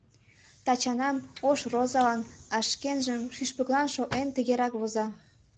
Тачанам ош розалан, а шкенжым шӱшпыклан шотлен, тыгерак воза: